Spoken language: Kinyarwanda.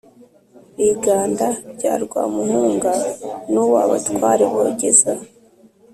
Biganda bya Rwamuhunga n’Uwo abatware bogeza